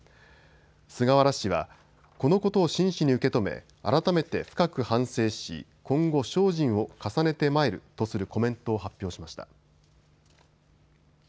菅原氏はこのことを真摯に受け止め、改めて深く反省し今後、精進を重ねてまいるとするコメントを発表しました。